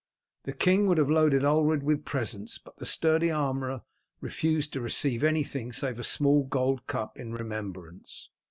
The king would have loaded Ulred with presents, but the sturdy armourer refused to receive anything save a small gold cup in remembrance.